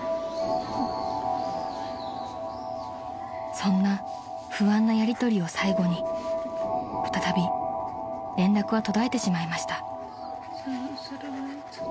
［そんな不安なやりとりを最後に再び連絡は途絶えてしまいました］